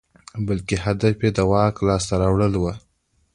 بلکې هدف یې د واک لاسته راوړل وو.